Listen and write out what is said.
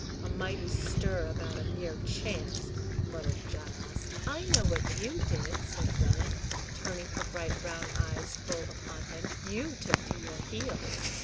"A mighty stir about a mere chance," muttered Giles. "I know what you did," said Dennet, turning her bright brown eyes full upon him. "You took to your heels."